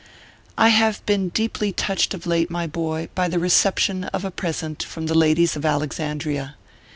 I have been deeply touched of late, my boy, by the reception of a present from the ladies of Alexandria.